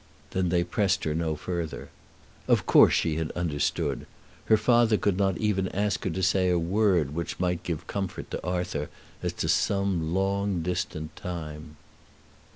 Then they pressed her no further. Of course she had understood. Her father could not even ask her to say a word which might give comfort to Arthur as to some long distant time.